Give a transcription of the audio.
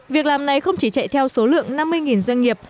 việc làm này không chỉ chạy theo số lượng năm mươi doanh nghiệp